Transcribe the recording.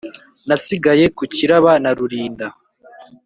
Nasigaye ku kiraba na Rulinda